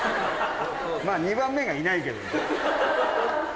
まあ２番目がいないけどね。